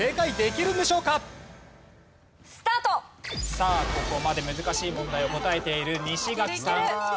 さあここまで難しい問題を答えている西垣さん。